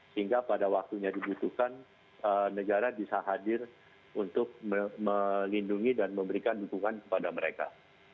sehingga pada waktunya dibutuhkan negara bisa hadir untuk melindungi dan memberikan dukungan kepada mereka